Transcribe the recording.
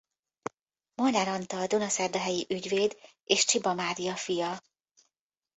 Molnár Antal dunaszerdahelyi ügyvéd és Csiba Mária fia.